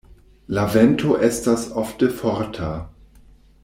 La vento estas ofte forta.